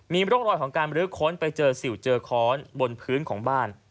มีร่องรอยของการบรื้อค้นไปเจอสิวเจอค้อนบนพื้นของบ้าน